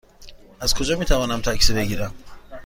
از کجا می توانم تاکسی بگیرم؟